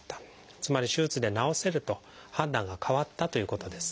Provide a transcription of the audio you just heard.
つまり手術で治せると判断が変わったということです。